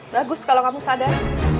bagus kalau kamu sadar